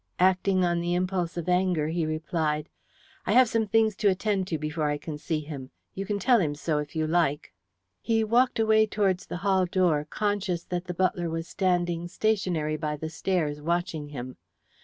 Acting on the impulse of anger he replied: "I have some things to attend to before I can see him. You can tell him so, if you like." He walked away towards the hall door, conscious that the butler was standing stationary by the stairs, watching him.